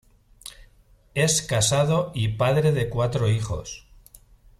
Es casado y padre de cuatro hijos.